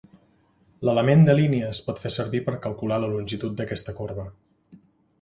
L'element de línia es pot fer servir per calcular la longitud d'aquesta corba.